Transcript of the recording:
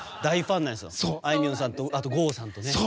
あいみょんさんと郷さんね。